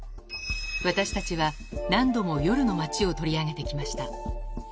私たちは、何度も夜の街を取り上げてきました。